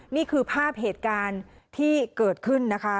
นี่คือภาพเหตุการณ์ที่เกิดขึ้นนะคะ